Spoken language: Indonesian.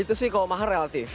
itu sih kalau mahal reality